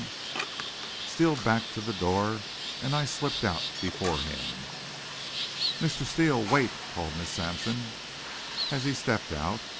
Steele backed to the door, and I slipped out before him. "Mr. Steele wait!" called Miss Sampson as he stepped out.